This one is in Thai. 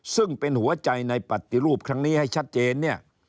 ซึ่งเป็นหัวใจในปฏิรูปครั้งนี้ให้ชัดเจนเนี่ย